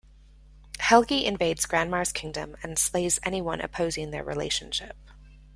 Helgi invades Granmar's kingdom and slays anyone opposing their relationship.